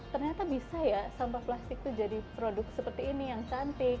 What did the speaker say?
ternyata bisa ya sampah plastik itu jadi produk seperti ini yang cantik